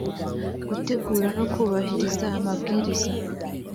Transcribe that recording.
gutegura no kubahiriza amabwiriza